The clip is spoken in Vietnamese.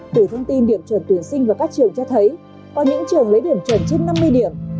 từ thông tin điểm chuẩn tuyển sinh vào các trường cho thấy có những trường lấy điểm chuẩn trên năm mươi điểm